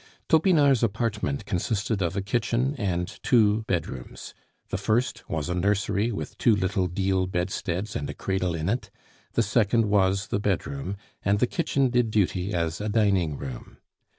Topinard's apartment consisted of a kitchen and two bedrooms. The first was a nursery with two little deal bedsteads and a cradle in it, the second was the bedroom, and the kitchen did duty as a dining room.